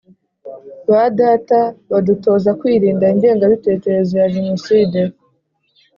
ba data badutoza kwirinda ingengabitekerezo ya jenoside.